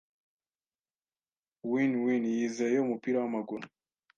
WinWin yizeye umupira w'amaguru.